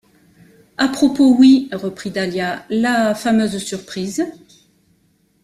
À propos, oui, reprit Dahlia, la fameuse surprise?